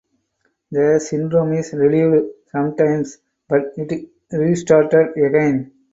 The syndrome is relieved sometimes but it restarted again.